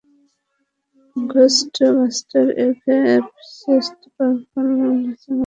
Ghostbuster এর Stay Puft মার্শমেলোম্যানের মতো।